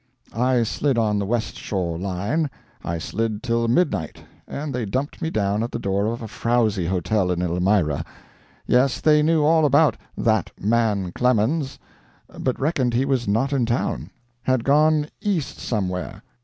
I slid on the West Shore line, I slid till midnight, and they dumped me down at the door of a frowzy hotel in Elmira. Yes, they knew all about "that man Clemens," but reckoned he was not in town; had gone East somewhere.